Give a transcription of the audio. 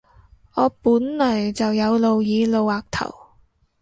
我本來就有露耳露額頭